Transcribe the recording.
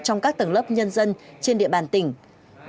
trong các tầng lớp nhân dân trên địa bàn tỉnh